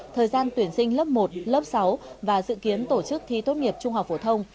thời gian tuyển sinh lớp một lớp sáu và dự kiến tổ chức thi tốt nghiệp trung học phổ thông